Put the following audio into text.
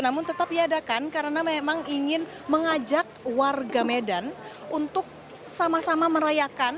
namun tetap diadakan karena memang ingin mengajak warga medan untuk sama sama merayakan